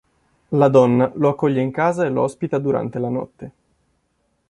La donna lo accoglie in casa e lo ospita durante la notte.